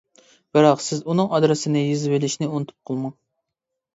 بىراق سىز ئۇنىڭ ئادرېسىنى يېزىۋېلىشنى ئۇنتۇپ قالماڭ.